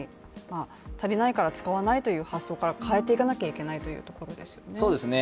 足りないから使わないという発想から変えていかないといけないということですね。